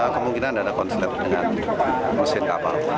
kemungkinan ada konslet dengan mesin kapal